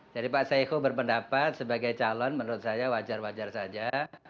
jadi pak saiku berpendapat sebagai calon menurut saya wajar wajar saja